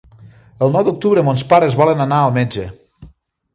El nou d'octubre mons pares volen anar al metge.